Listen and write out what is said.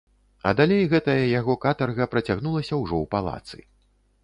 А далей гэтая яго катарга працягнулася ўжо ў палацы.